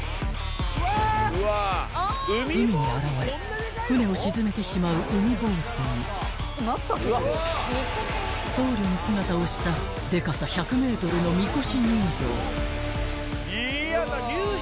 ［海に現れ船を沈めてしまう海坊主に僧侶の姿をしたでかさ１００ｍのみこし入道］